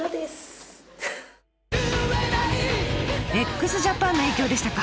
ＸＪＡＰＡＮの影響でしたか！